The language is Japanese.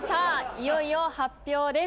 いよいよ発表です